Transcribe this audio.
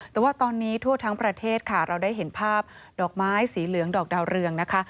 แต่ว่าตอนนี้ทั่วทั้งประเทศค่ะเราได้เห็นภาพดอกไม้สีเหลืองดอกดาวเรืองนะคะ